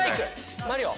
マリオ。